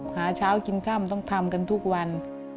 หาเช้ากินค่ำต้องทำกันทุกวัน